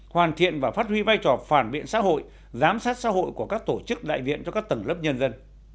hoàn thiện và phát huy vai trò phản biện xã hội giám sát xã hội của các tổ chức đại diện cho các tầng lớp nhân dân